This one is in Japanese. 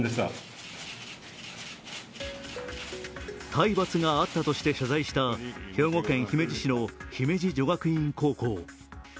体罰があったとして謝罪した兵庫県姫路市の姫路女学院高校。